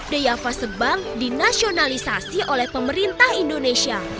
deyava sebang dinasionalisasi oleh pemerintah indonesia